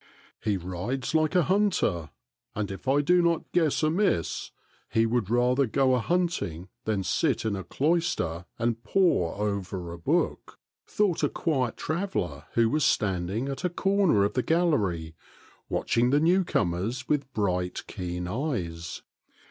" He rides like a hunter, and if I do not guess amiss, he would rather go a hunting than sit in a cloister and pore over a book," thought a quiet traveler who was standing at a corner of the gallery, watching the new comers with bright, keen eyes.